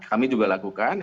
kami juga lakukan